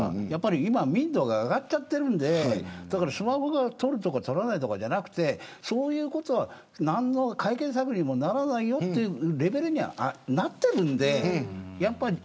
今、民度が上がっちゃってるんでスマホで撮るとか撮らないじゃなくてそういうことは何の解決策にもならないというレベルにはなっているので。